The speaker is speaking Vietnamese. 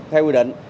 theo quy định